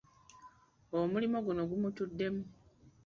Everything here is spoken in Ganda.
Omulimu guno gumutuddemu.